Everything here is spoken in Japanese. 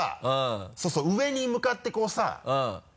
そうそう上に向かってこうさ。